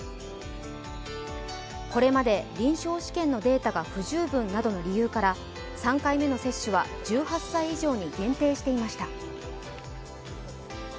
これまで臨床試験のデータが不十分などの理由から３回目の接種は１８歳以上に限定していました。